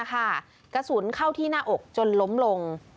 กระสุนเข้าที่หน้าอกจนล้มลง